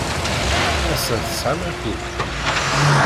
Ass-a, tesɛam akud?